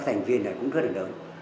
thành viên này cũng rất là lớn